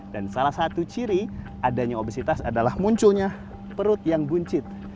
dan salah satu ciri adanya obesitas adalah munculnya perut yang buncit